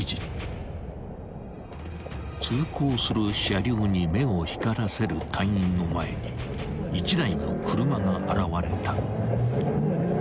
［通行する車両に目を光らせる隊員の前に一台の車が現れた］